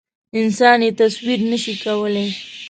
انسان یې تصویر نه شي کولی.